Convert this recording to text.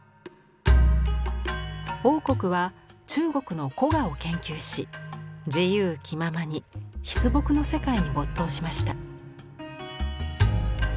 櫻谷は中国の古画を研究し自由気ままに筆墨の世界に没頭しました。